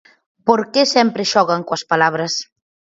Porque sempre xogan coas palabras.